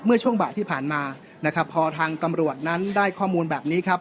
ช่วงบ่ายที่ผ่านมานะครับพอทางตำรวจนั้นได้ข้อมูลแบบนี้ครับ